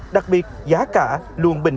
đặc biệt giá cả luôn bình ổn